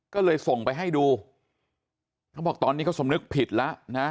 ก็เลยส่งไปให้ดูเขาบอกตอนนี้เขาสำนึกผิดแล้วนะ